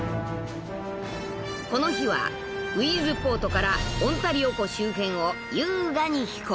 ［この日はウィーズポートからオンタリオ湖周辺を優雅に飛行］